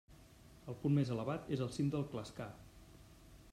El punt més elevat és el cim del Clascar.